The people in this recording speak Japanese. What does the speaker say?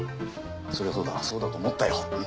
そりゃそうだそうだと思ったようん